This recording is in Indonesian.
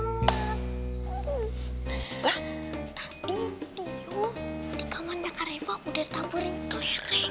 tadi tio di kamar nyamperin reva udah ditaburin keliring